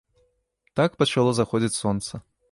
Так пачало заходзіць сонца.